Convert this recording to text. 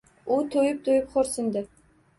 U to‘yib-to‘yib xo‘rsindi.